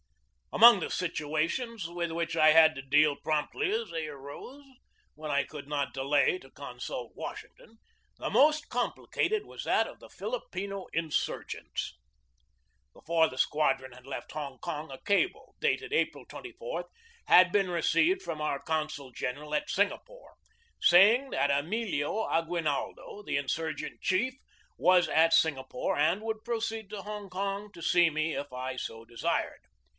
Among the situations with which I had to deal promptly as they arose, when I could not delay to consult Washington, the most complicated was that of the Filipino insurgents. Before the squadron had left Hong Kong a cable, dated April 24, had been received from our consul general at Singapore, saying that Emilio Aguinaldo, the insurgent chief, was at Singapore and would proceed to Hong Kong to see me if I so desired.